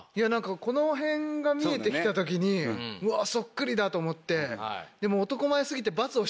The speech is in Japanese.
この辺が見えてきた時にうわそっくりだ！と思ってでも。